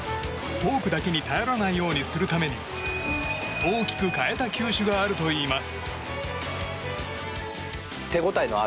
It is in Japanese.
フォークだけに頼らないようにするために大きく変えた球種があるといいます。